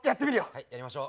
はいやりましょう。